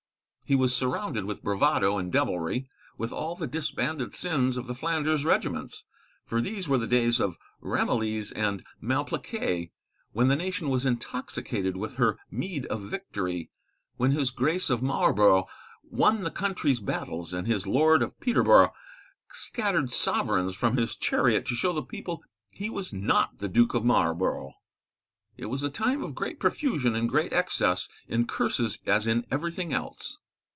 He was surrounded with bravado and devilry, with all the disbanded sins of the Flanders regiments. For these were the days of Ramilies and Malplaquet, when the nation was intoxicated with her meed of victory; when his Grace of Marlborough won the country's battles, and his Lord of Peterborough scattered sovereigns from his chariot to show the people he was not the Duke of Marlborough. It was a time of great profusion and great excess, in curses as in everything else.